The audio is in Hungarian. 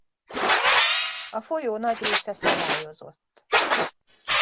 A folyó nagy része szabályozott.